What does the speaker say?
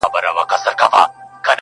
روڼي سترګي کرۍ شپه په شان د غله وي-